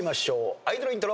アイドルイントロ。